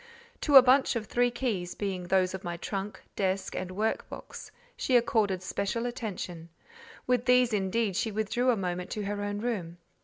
To a bunch of three keys, being those of my trunk, desk, and work box, she accorded special attention: with these, indeed, she withdrew a moment to her own room.